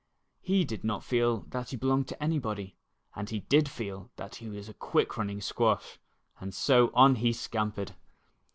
He did not feel that he belonged to any body, and he did feel that he was a quick running squash, and so on he scampered.